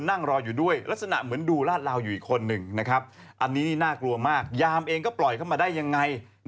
อ่ะเสร็จเข้าไปในบ้านก็เลยนะ